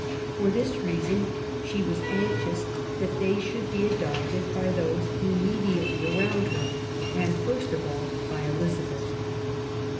For this reason she was anxious that they should be adopted by those immediately around her; and, first of all, by Elizabeth.